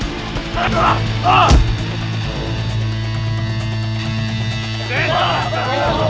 hah enak ya bro